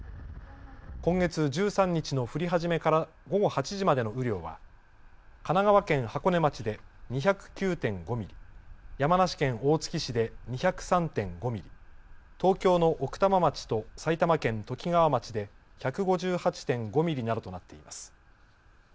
今月１３日の降り始めから午後８時までの雨量は神奈川県箱根町で２０９．５ミリ、山梨県大月市で２０３．５ミリ、東京の奥多摩町と埼玉県ときがわ町で１５８．５ミリなどとなっています。